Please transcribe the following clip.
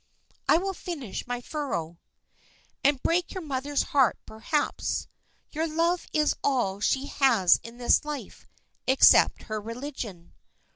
"I will finish my furrow." "And break your mother's heart, perhaps. Your love is all she has in this life, except her religion."